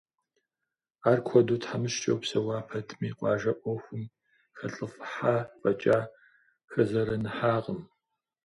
Ар куэду тхьэмыщкӏэу псэуа пэтми, къуажэ ӏуэхум хэлӏыфӏыхьа фӏэкӏа, хэзэрэныхьакъым.